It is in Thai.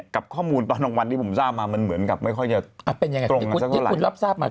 กับข้อมูลตอนต่างวันที่ผมทราบมามันเหมือนกับไม่ค่อยจะตรงสักเท่าไหร่